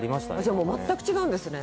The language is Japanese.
じゃあもう全く違うんですね